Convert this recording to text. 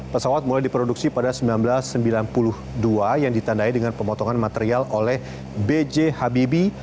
pesawat mulai diproduksi pada seribu sembilan ratus sembilan puluh dua yang ditandai dengan pemotongan material oleh b j habibi